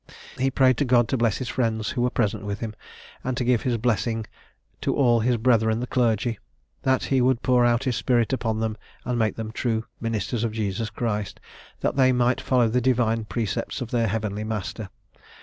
"He prayed God to bless his friends who were present with him, and to give his blessing to all his brethren the clergy; that he would pour out his spirit upon them, and make them true ministers of Jesus Christ, and that they might follow the divine precepts of their heavenly Master.